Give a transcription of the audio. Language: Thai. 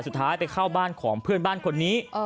สุดท้ายไปเข้าบ้านของเพื่อนบ้านคนนี้